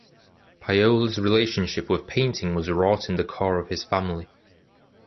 Piola’s relationship with painting was wrought in the core of his family.